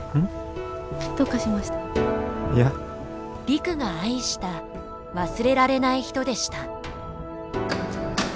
陸が愛した忘れられない人でした。